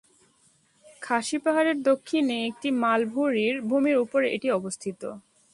খাসি পাহাড়ের দক্ষিণে একটি মালভূমির উপর এটি অবস্থিত।